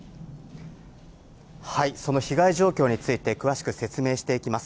その被害状況について、詳しく説明していきます。